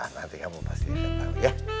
nanti kamu pasti akan tahu ya